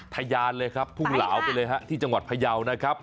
ทะยานเลยครับทุ่งเหลาไปเลยฮะที่จังหวัดพยาวนะครับ